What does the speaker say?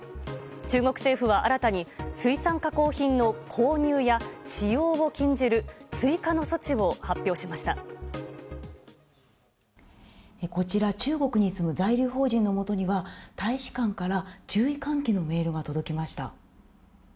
中国政府は新たに水産加工品の購入や使用を禁じる追加の措置を発こちら、中国に住む在留邦人のもとには、大使館から注意喚起のメールが届きました。